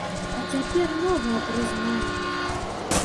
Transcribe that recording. А цяпер новае прызнанне.